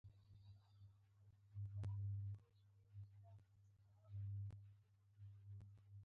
خولۍ یې تازه پالش شوې او ښکلې وه چې یې پر سر درلوده.